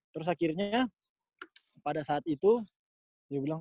terus akhirnya pada saat itu dia bilang